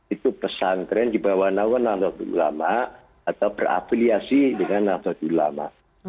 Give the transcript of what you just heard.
dua puluh tiga itu pesantren di bawah nauan nalutulama atau berafiliasi dengan nalutulama